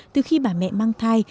từ khi bà mẹ mang thai